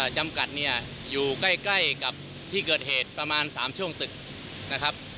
จำกัดเนี่ยอยู่ใกล้กับที่เกิดเหตุประมาณ๓ช่วงตึกนะครับ